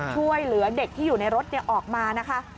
ช่วยเหลือเด็กที่อยู่ในรถออกมานะคะ